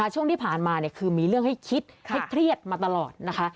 ช่วงที่ผ่านมาคือมีเรื่องให้คิดให้เครียดมาตลอดนะคะ